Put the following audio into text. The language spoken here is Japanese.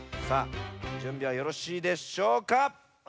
さあじゅんびはよろしいでしょうか。